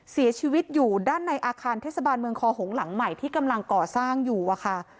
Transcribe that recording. เสียชีวิตอยู่ด้านในอาคารเทศบาลเมืองคอหงหลังใหม่ที่กำลังก่อสร้างอยู่อะค่ะ